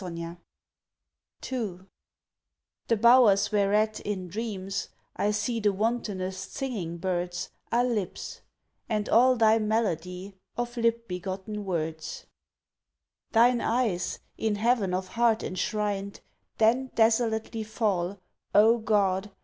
_TO _ The bowers whereat, in dreams, I see The wantonest singing birds, Are lips and all thy melody Of lip begotten words Thine eyes, in Heaven of heart enshrined, Then desolately fall, O God!